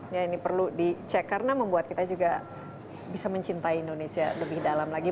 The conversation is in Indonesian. ya ini perlu dicek karena membuat kita juga bisa mencintai indonesia lebih dalam lagi